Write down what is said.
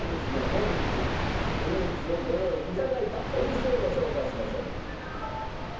本日スイーツをご用意頂いたお店ご紹介しましょう。